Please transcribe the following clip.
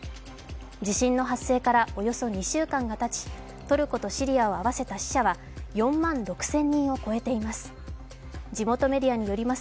地震の発生からおよそ２週間がたちトルコとシリアを合わせた死者は４万６０００人を超えています。